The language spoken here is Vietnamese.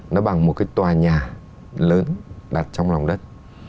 nó bằng một cái tòa nhà lớn đặt trong lòng đất